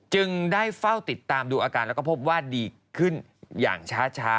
จึงได้เฝ้าติดตามดูอาการแล้วก็พบว่าดีขึ้นอย่างช้า